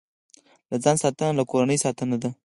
له ځان ساتنه، له کورنۍ ساتنه ده.